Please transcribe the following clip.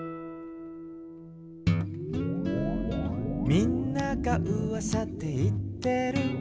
「みんながうわさで言ってる」